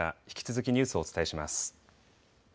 引き続きニュースをお伝えします。